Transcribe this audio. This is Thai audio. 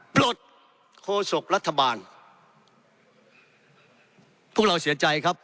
ปลดโคศกรัฐบาลพวกเราเสียใจครับ